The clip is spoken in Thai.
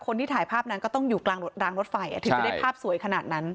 คนที่ถ่ายภาพนั้นก็ต้องอยู่กลางรางรถไฟถึงจะได้ภาพสวยขนาดนั้น